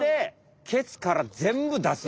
けつから全部出す。